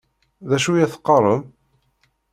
D acu i ad teqqaṛem?